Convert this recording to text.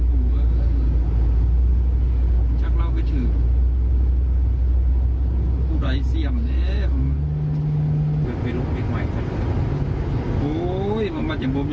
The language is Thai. โอ๊ยบอกจริงบ้างนะเห็นหนาดังนั้นวะ